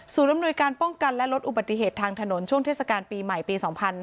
อำนวยการป้องกันและลดอุบัติเหตุทางถนนช่วงเทศกาลปีใหม่ปี๒๕๕๙